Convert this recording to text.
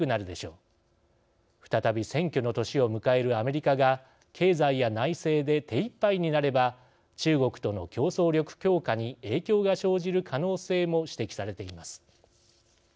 再び選挙の年を迎えるアメリカが経済や内政で手いっぱいになれば中国との競争力強化に影響が生じる可能性も指摘されています。